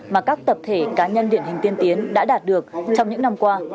mà các tập thể cá nhân điển hình tiên tiến đã đạt được trong những năm qua